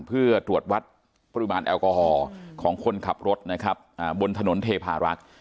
เพื่อตรวจวัดปริมาณแอลกอฮอล์ของคนขับรถนะครับบนถนนเทพารักษ์